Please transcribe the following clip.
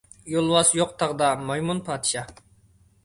يولۋاس يوق تاغدا مايمۇن پادىشاھ.